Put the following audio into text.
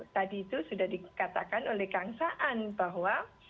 tadi itu sudah dikatakan oleh kang saan bahwa